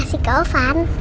buat kasih ke awe fan